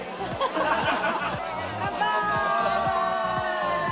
乾杯。